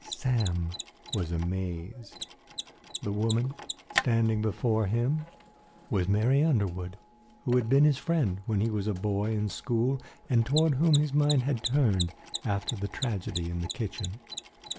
Sam was amazed. The woman standing before him was Mary Underwood, who had been his friend when he was a boy in school and toward whom his mind had turned after the tragedy in the kitchen.